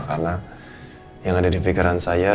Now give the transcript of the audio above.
karena yang ada di pikiran saya